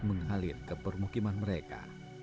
menghalir ke permukiman mereka